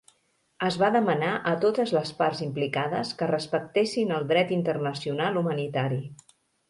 Es va demanar a totes les parts implicades que respectessin el dret internacional humanitari.